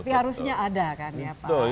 seharusnya ada kan ya pak jokowi